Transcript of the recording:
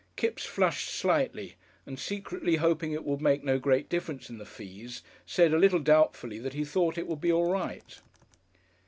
Kipps flushed slightly, and secretly hoping it would make no great difference in the fees, said a little doubtfully that he thought that would be all right.